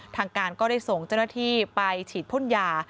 ทางการก็ได้ส่งเจ้าหน้าที่ไปฉีดพ่นยา